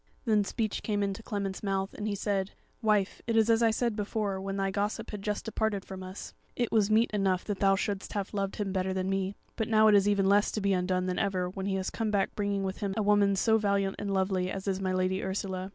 Then speech came into Clement's mouth, and he said: "Wife, it is as I said before, when thy gossip had just departed from us. It was meet enough that thou shouldst have loved him better than me; but now it is even less to be undone than ever, when he has come back bringing with him a woman so valiant and lovely as is my Lady Ursula.